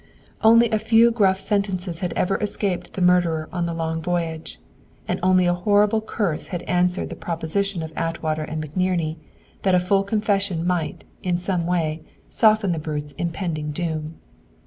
Only a few gruff sentences had ever escaped the murderer on the long voyage, and only a horrible curse had answered the proposition of Atwater and McNerney that a full confession might, in some way, soften the brute's impending doom.